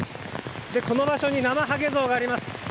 この場所になまはげ像があります。